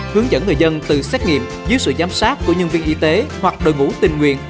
hướng dẫn người dân từ xét nghiệm dưới sự giám sát của nhân viên y tế hoặc đội ngũ tình nguyện